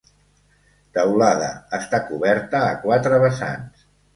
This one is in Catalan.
Teulada està coberta a quatre vessants.